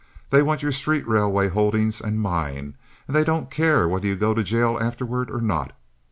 They want your street railway holdings and mine, and they don't care whether you go to jail afterward or not.